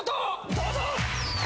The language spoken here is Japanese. どうぞ！